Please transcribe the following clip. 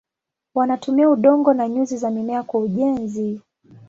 Wanatumia udongo na nyuzi za mimea kwa ujenzi.